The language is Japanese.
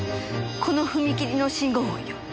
この踏切の信号音よ。